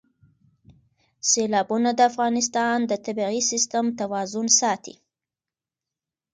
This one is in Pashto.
سیلابونه د افغانستان د طبعي سیسټم توازن ساتي.